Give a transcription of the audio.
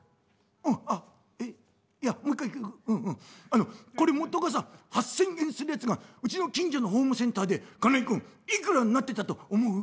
あのこれ元がさ８，０００円するやつがうちの近所のホームセンターで金井君いくらになってたと思う？」。